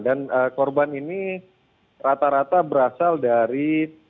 dan korban ini rata rata berasal dari